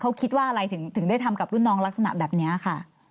เขาคิดว่าอะไรถึงได้ทำกับรุ่นน้องลักษณะแบบนี้ค่ะ